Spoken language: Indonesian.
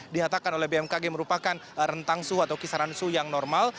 dihatakan oleh bmkg merupakan rentang suhu atau kisaran suhu yang normal